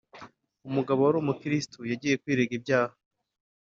umugabo wari umukirisitu yagiye kwirega ibyaha